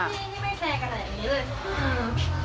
อันนี้ไม่แฟร์กันอันนี้เลย